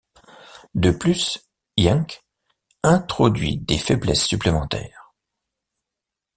De plus, yEnc introduit des faiblesses supplémentaires.